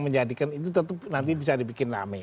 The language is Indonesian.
menjadikan itu tetap nanti bisa dibikin rame